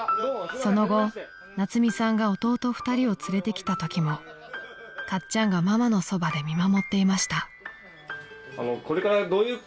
［その後夏海さんが弟２人を連れてきたときもかっちゃんがママのそばで見守っていました］